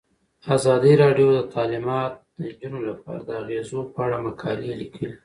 ازادي راډیو د تعلیمات د نجونو لپاره د اغیزو په اړه مقالو لیکلي.